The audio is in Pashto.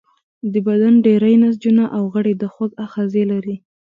د بدن ډیری نسجونه او غړي د خوږ آخذې لري.